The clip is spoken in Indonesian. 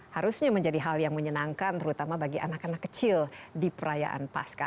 harusnya menjadi hal yang menyenangkan terutama bagi anak anak kecil di perayaan pasca